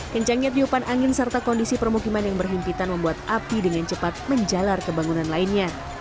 kencangnya tiupan angin serta kondisi permukiman yang berhimpitan membuat api dengan cepat menjalar ke bangunan lainnya